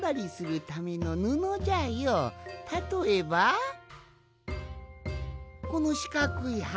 たとえばこのしかくいはこ。